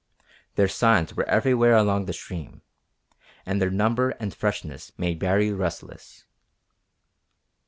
Their signs were everywhere along the stream, and their number and freshness made Baree restless.